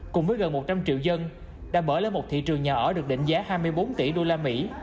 cùng với gần một trăm linh triệu dân đã mở lên một thị trường nhà ở được đánh giá hai mươi bốn tỷ usd